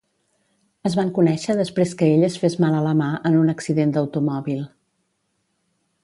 Es van conèixer després que ell es fes mal a la mà en un accident d'automòbil.